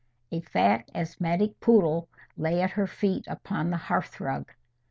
A fat asthmatic poodle lay at her feet upon the hearth rug.